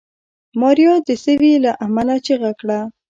ماريا د سوي له امله چيغه کړه.